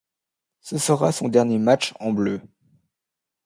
Ce sera son dernier match en Bleu.